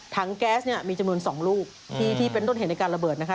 แก๊สเนี่ยมีจำนวน๒ลูกที่เป็นต้นเหตุในการระเบิดนะคะ